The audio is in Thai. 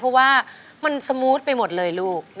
เพราะว่ามันสมูทไปหมดเลยลูก